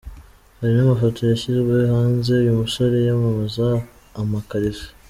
Hari n’amafoto yashyizwe hanze uyu musore yamamaza amakariso.